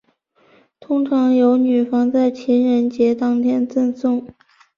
通常由女方在情人节当天赠送。